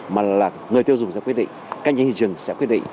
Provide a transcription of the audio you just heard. mà là người tiêu dùng sẽ quyết định cạnh tranh thị trường sẽ quyết định